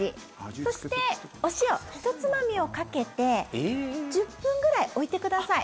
そして、お塩ひとつまみをかけて１０分ぐらい置いてください。